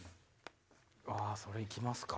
あそれいきますか。